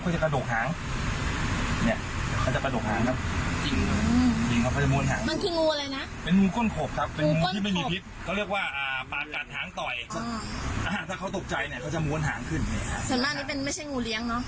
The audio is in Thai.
เขาจะม้วนหางขึ้นส่วนมากนี้เป็นไม่ใช่งูเลี้ยงเนอะ